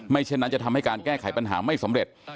เช่นนั้นจะทำให้การแก้ไขปัญหาไม่สำเร็จ